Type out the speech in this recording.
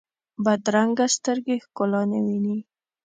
بدرنګه سترګې ښکلا نه ویني